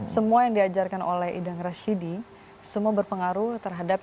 semua yang diajarkan oleh idang rashidi semua berpengaruh terhadap cara pandang saya